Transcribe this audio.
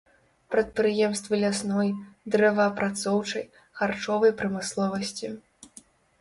Прадпрыемствы лясной, дрэваапрацоўчай, харчовай прамысловасці.